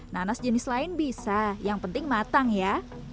nanas jenis lain bisa yang penting matang ya